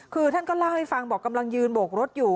คือท่านก็เล่าให้ฟังบอกกำลังยืนโบกรถอยู่